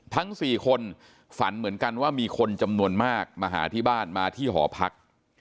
ทั้ง๔คนฝันเหมือนกันว่ามีคนจำนวนมากมาหาที่บ้านมาที่หอพัก